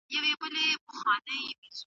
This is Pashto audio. هغه وایي چې مسواک د روحي سکون سبب ګرځي.